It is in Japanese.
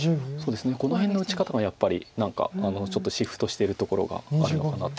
この辺の打ち方がやっぱり何かちょっとシフトしてるところがあるのかなってとこですか。